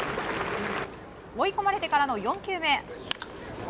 追い込まれてからの４球目。